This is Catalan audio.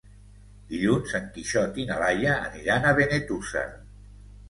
Dilluns en Quixot i na Laia aniran a Benetússer.